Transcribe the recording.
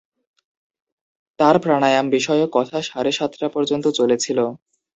তাঁর প্রাণায়াম-বিষয়ক কথা সাড়ে সাতটা পর্যন্ত চলেছিল।